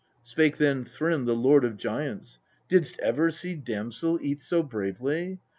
Spake then Thrym, the lord of giants, 1 Didst ever see damsel eat so bravely